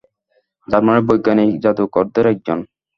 জার্মানির বৈজ্ঞানিক জাদুকরদের একজন।